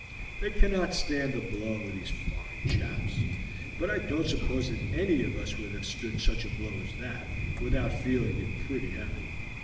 They cannot stand a blow, those foreign chaps; but I don't suppose that any of us would have stood such a blow as that, without feeling it pretty heavy.